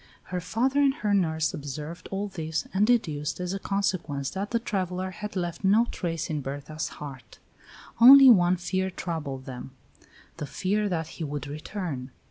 Her father and her nurse observed all this and deduced as a consequence that the traveller had left no trace in Berta's heart. Only one fear troubled them, the fear that he would return.